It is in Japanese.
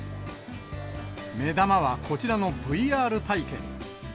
目玉は、こちらのＶＲ体験。